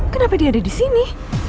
kenapa dia ada disini